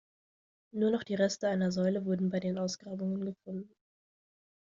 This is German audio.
Nur noch die Reste einer Säule wurde bei den Ausgrabungen gefunden.